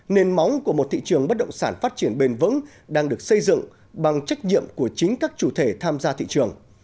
nền móng của một thị trường bất động sản phát triển bền vững đang được xây dựng bằng trách nhiệm của chính các chủ thể tham gia thị trường